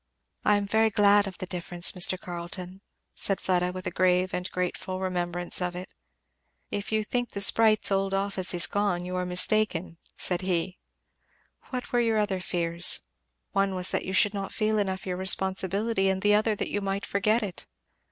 "I am very glad of the difference, Mr. Carleton," said Fleda, with a grave and grateful remembrance of it. "If you think the sprite's old office is gone, you are mistaken," said he. "What were your other fears? one was that you should not feel enough your responsibility, and the other that you might forget it."